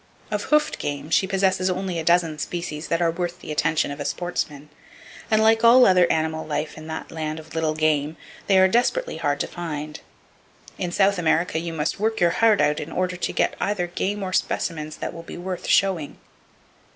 Of hoofed game she possesses only a dozen species that are worth the attention of sportsmen; and like all other animal life in that land of little game, they are desperately hard to find. In South America you must work your heart out in order to get either game or specimens that will be worth showing.